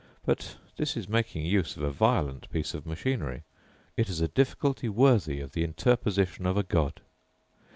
But this is making use of a violent piece of machinery: it is a difficulty worthy of the interposition of a god!